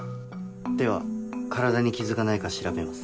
では体に傷がないか調べます。